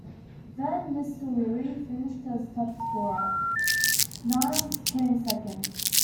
Van Nistelrooy finished as top-scorer, Nilis came second.